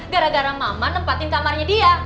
gara gara mama nempatin kamarnya dia